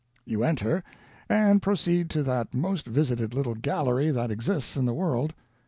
You enter, and proceed to that most visited little gallery that exists in the world....